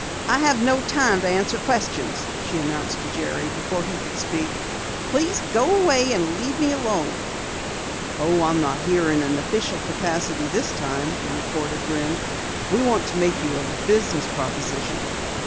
"I have no time to answer questions!" she announced to Jerry before he could speak. "Please go away and leave me alone!" "Oh, I'm not here in an official capacity this time," the reporter grinned. "We want to make you a business proposition."